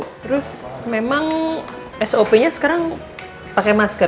terus memang sop nya sekarang pakai masker